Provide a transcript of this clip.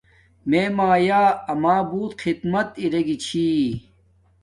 میے مایا اما بوت خدمت اِرے گی چھی